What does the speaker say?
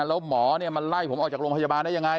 แล้วหมอเนี่ยมันไล่ผมออกจากโรงพยาบาลได้ยังไง